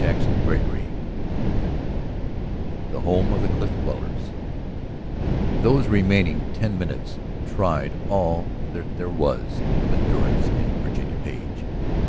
CHAPTER VII IN THE HOME OF CLIFF DWELLERS Those remaining ten minutes tried all that there was of endurance in Virginia Page.